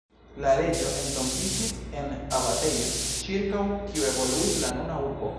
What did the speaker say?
La reĝo entombiĝis en abatejo ĉirkaŭ kiu evoluis la nuna urbo.